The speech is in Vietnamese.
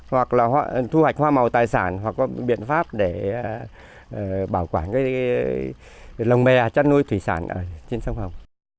hoặc thu hoạch hoa màu tài sản hoặc có biện pháp để bảo quản lồng mè chất nuôi thủy sản trên sông hồng